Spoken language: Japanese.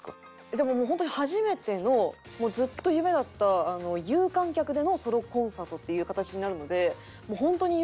でももうホントに初めてのもうずっと夢だった有観客でのソロコンサートっていう形になるので。